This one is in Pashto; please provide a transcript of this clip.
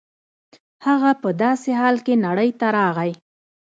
هغه په داسې حال کې نړۍ ته راغی